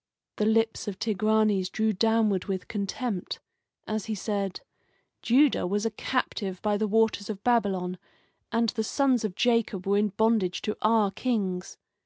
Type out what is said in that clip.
'" The lips of Tigranes drew downward with contempt, as he said: "Judah was a captive by the waters of Babylon, and the sons of Jacob were in bondage to our kings.